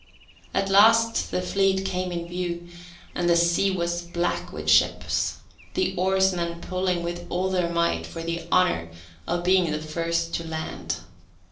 At last the fleet came in view, and the sea was black with ships, the oarsmen pulling with all their might for the honour of being the first to land.